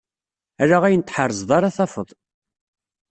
Ala ayen tḥerzeḍ ara tafeḍ.